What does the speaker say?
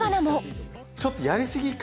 ちょっとやりすぎ感